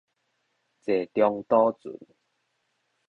坐中堵船